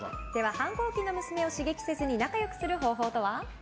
反抗期の娘を刺激せずに仲良くする方法とは？